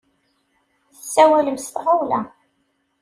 Tessawalem s tɣawla.